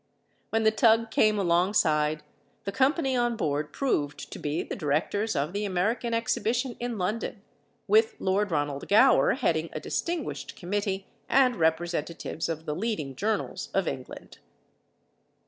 When the tug came alongside, the company on board proved to be the directors of the American exhibition in London, with Lord Ronald Gower heading a distinguished committee and representatives of the leading journals of England.